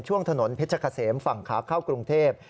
ช่วงถนนเพชรเกษมฝั่งขาเข้ากรุงเทพ